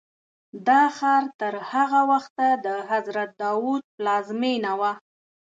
دا ښار تر هغه وخته د حضرت داود پلازمینه وه.